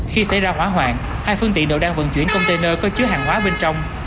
khi xảy ra hỏa hoạn hai phương tiện đều đang vận chuyển container có chứa hàng hóa bên trong